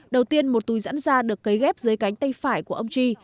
đầu tiên một túi dẫn da được cấy ghép dưới cánh tay phải của ông chi